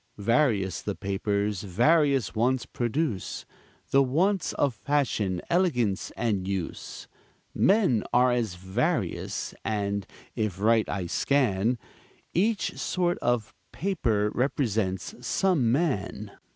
Various the papers various wants produce, The wants of fashion, elegance and use. Men are as various; and, if right I scan, Each sort of paper represents some man.